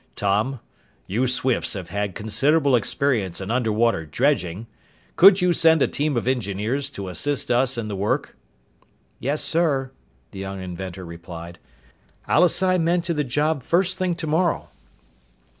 "Tom, you Swifts have had considerable experience in undersea dredging. Could you send a team of engineers to assist us in the work?" "Yes, sir," the young inventor replied. "I'll assign men to the job first thing tomorrow."